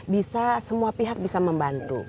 bisa semua pihak bisa membantu